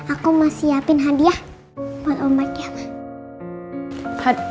aku mau siapin hadiah buat omak ya ma